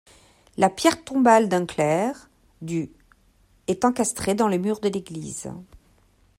La pierre tombale d'un clerc du est encastrée dans le mur de l'église.